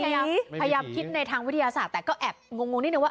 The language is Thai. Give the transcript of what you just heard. พยายามคิดในทางวิทยาศาสตร์แต่ก็แอบงงนิดนึงว่า